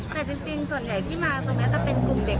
แต่จริง